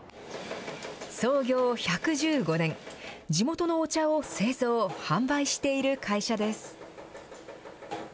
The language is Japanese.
創業１１５年、地元のお茶を製造、販売している会社です。